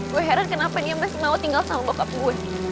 gue heran kenapa niamah semau tinggal sama bokap gue